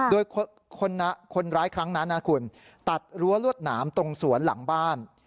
โดยคนร้ายครั้งนั้นนะคุณตัดรั้วลวดหนามตรงสวนหลังบ้าน